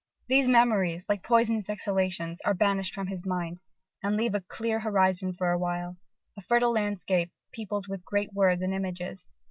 These memories, like poisonous exhalations, are banished from his mind, and leave a clear horizon for a while, a fertile landscape peopled with great words and images.